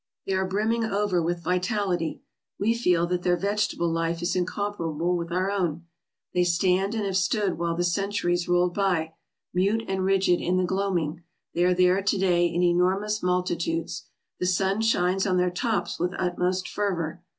They are brimming over with vitality. We feel that their vegetable life is incomparable with our own. They stand and have stood while the centuries rolled by, mute and rigid in the gloaming ; they are there to day in enor mous multitudes. The sun shines on their tops with utmost fervor.